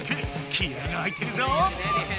気合いが入ってるぞ！